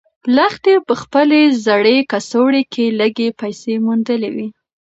لښتې په خپلې زړې کڅوړې کې لږې پیسې موندلې وې.